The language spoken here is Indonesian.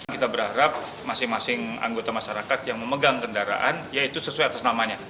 kita berharap masing masing anggota masyarakat yang memegang kendaraan yaitu sesuai atas namanya